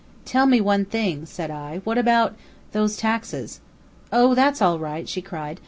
"Tell me one thing," said I. "What about those taxes?" "Oh, that's all right," she cried.